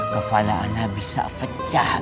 kepala ana bisa pecah